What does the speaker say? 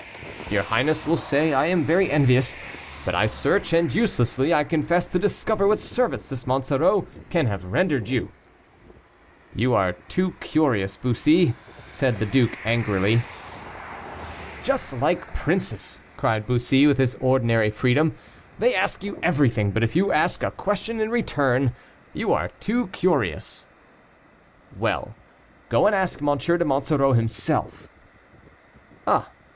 "Your highness will say I am very envious; but I search, and uselessly, I confess, to discover what service this Monsoreau can have rendered you." "You are too curious, Bussy," said the duke, angrily. "Just like princes," cried Bussy, with his ordinary freedom, "they ask you everything; but if you ask a question in return, you are too curious." "Well! go and ask M. de Monsoreau, himself." "Ah!